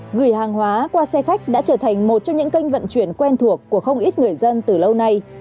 gửi hàng hóa qua xe khách đã trở thành một trong những kênh vận chuyển quen thuộc của không ít người dân từ lâu nay